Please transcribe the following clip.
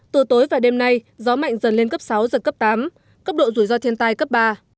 từ tối và đêm nay gió mạnh dần lên cấp sáu giật cấp tám cấp độ rủi ro thiên tai cấp ba